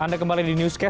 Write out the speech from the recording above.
anda kembali di newscast